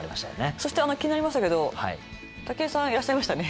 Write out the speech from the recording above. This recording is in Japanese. そして気になりましたけど武井さんいらっしゃいましたね。